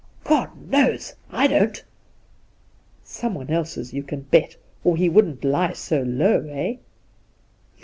' God knows ! I don't !'' Someone else's, you can bet, or he wouldn't lie so low, eh